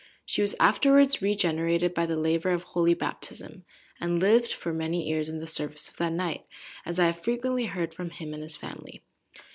She was afterwards regenerated by the laver of holy baptism, and lived for many years in the service of that knight, as I have frequently heard from him and his family.